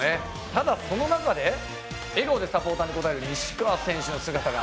ただその中で笑顔でサポーターに応える西川選手の姿が。